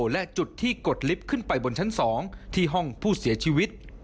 และจุดที่กดลิฟต์ขึ้นไปบนชั้น๒ที่ห้องผู้เสียชีวิต